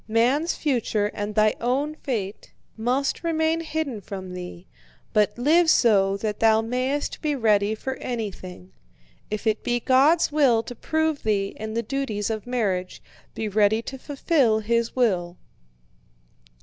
Man's future and thy own fate must remain hidden from thee, but live so that thou mayest be ready for anything. If it be God's will to prove thee in the duties of marriage, be ready to fulfill His will."